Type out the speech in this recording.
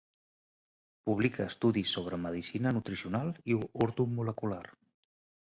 Publica estudis sobre medicina nutricional i ortomolecular.